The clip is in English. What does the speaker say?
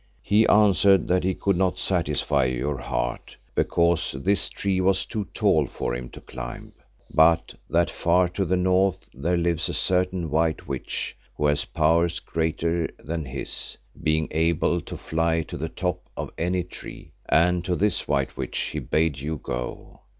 He answered that he could not satisfy your heart because this tree was too tall for him to climb, but that far to the north there lives a certain white witch who has powers greater than his, being able to fly to the top of any tree, and to this white witch he bade you go.